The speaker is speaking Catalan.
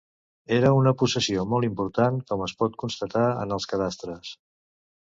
Era una possessió molt important com es pot constatar en els cadastres.